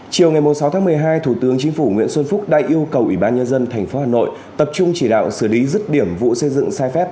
chiều ngày sáu tháng một mươi hai thủ tướng chính phủ nguyễn xuân phúc đã yêu cầu ủy ban nhân dân tp hà nội tập trung chỉ đạo xử lý rứt điểm vụ xây dựng sai phép